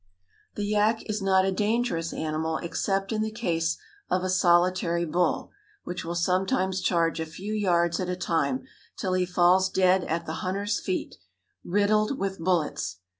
The yak is not a dangerous animal except in the case of a solitary bull, which will sometimes charge a few yards at a time, till he falls dead at the hunter's feet, riddled with bullets.